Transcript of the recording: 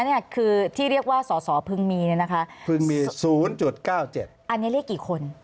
อันนี้เรียกกี่คน